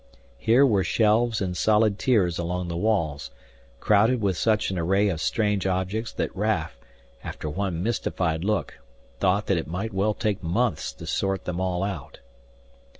Here were shelves in solid tiers along the walls, crowded with such an array of strange objects that Raf, after one mystified look, thought that it might well take months to sort them all out.